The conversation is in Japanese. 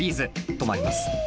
止まります。